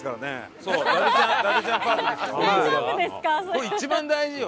ここ一番大事よ。